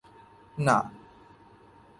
না।